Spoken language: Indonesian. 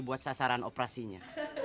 buat sasaran operasinya